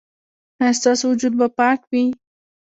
ایا ستاسو وجود به پاک وي؟